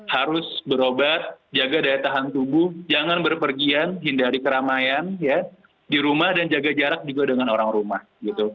harus berobat jaga daya tahan tubuh jangan berpergian hindari keramaian ya di rumah dan jaga jarak juga dengan orang rumah gitu